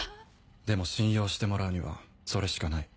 でも信用してもらうにはそれしかない。